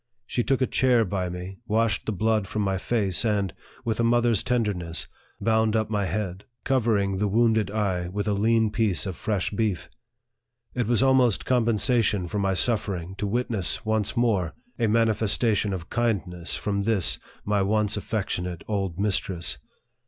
She took a chair by me, washed the blood from my face, and, with a mother's tenderness, bound up my head, covering the wounded eye with a lean piece of fresh beef. It was almost compensation for my suffering to witness, once more, a manifestation of kindness from this, my once affectionate old mistress.